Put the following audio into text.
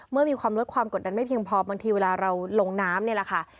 เมื่อมีความลดความกดดันไม่เพียงพอบางทีเวลาเราลงน้ำนี่แหละค่ะ